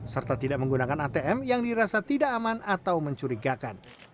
serta tidak menggunakan atm yang dirasa tidak aman atau mencurigakan